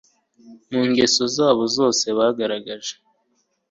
Mu ngeso zabo zose bagaragaje